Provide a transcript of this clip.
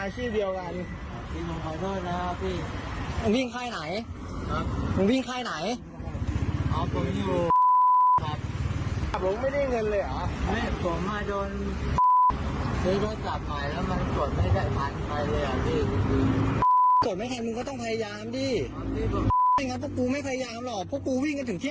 เสียงของคนที่กำลังมาเจ้าของโทรศัพท์ค่ะ